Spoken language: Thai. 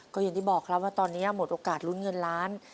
ก็อย่างที่บอกครับว่าตอนนี้หมดโอกาสลุ้นเงินล้าน